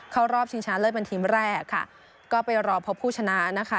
รอบชิงชนะเลิศเป็นทีมแรกค่ะก็ไปรอพบผู้ชนะนะคะ